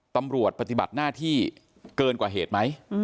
ปฏิบัติหน้าที่เกินกว่าเหตุไหม